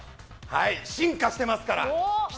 進化してますから。